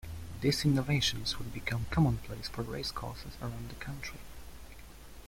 These innovations would become commonplace for racecourses around the country.